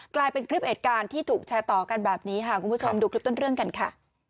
กลายเป็นคลิปเหตุการณ์ที่ถูกแชร์ต่อกันแบบนี้ค่ะคุณผู้ชมดูคลิปต้นเรื่องกันค่ะ